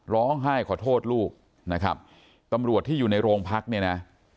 ร้องไห้ขอโทษลูกนะครับตำรวจที่อยู่ในโรงพักเนี่ยนะ